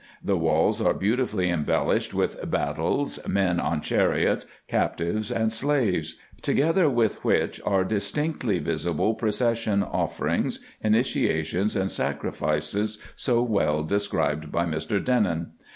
The walls are beautifully embellished with battles, men on chariots, captives, and slaves ; together with which are distinctly visible procession offerings, initiations, and sacrifices, so well described by Mr. Denon.